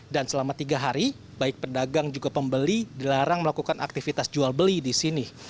dan selama tiga hari baik pedagang juga pembeli dilarang melakukan aktivitas jual beli di sini